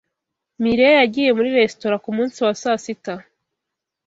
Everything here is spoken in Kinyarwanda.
Mirelle yagiye muri resitora kumunsi wa sasita.